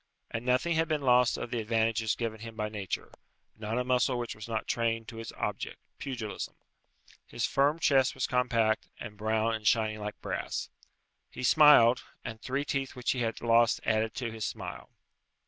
And nothing had been lost of the advantages given him by nature; not a muscle which was not trained to its object, pugilism. His firm chest was compact, and brown and shining like brass. He smiled, and three teeth which he had lost added to his smile.